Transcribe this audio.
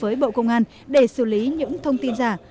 phối hợp với bộ công an để xử lý những thông tin giả